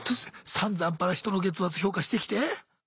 さんざんぱら人の月末評価してきて。